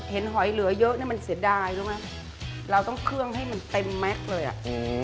หอยเหลือเยอะเนี่ยมันเสียดายรู้ไหมเราต้องเครื่องให้มันเต็มแม็กซ์เลยอ่ะอืม